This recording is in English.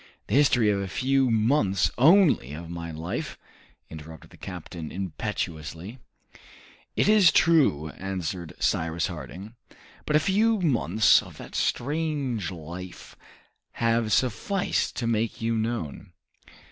"The history of a few months only of my life!" interrupted the captain impetuously. "It is true," answered Cyrus Harding, "but a few months of that strange life have sufficed to make you known."